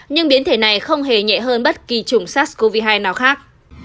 nhưng biến thể này không hề nhẹ hơn bất kỳ chủng sars cov hai nào khác